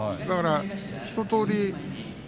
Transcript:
だから一とおり